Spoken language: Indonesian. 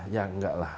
ya enggak lah